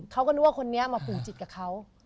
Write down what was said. เขาก็นึกว่าคนนี้มาผูกจิตกับเขา